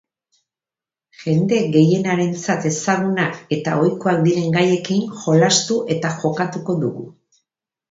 Jende gehienarentzat ezagunak eta ohikoak diren gaiekin jolastu eta jokatuko dugu.